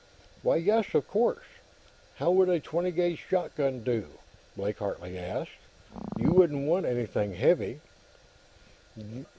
"Why, yes; of course. How would a 20 gauge shotgun do?" Blake Hartley asked. "You wouldn't want anything heavy."